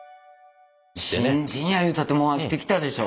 新人やいうたってもう飽きてきたでしょ？